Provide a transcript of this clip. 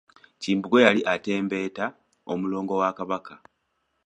Kimbugwe yali atembeeta omulongo wa kabaka.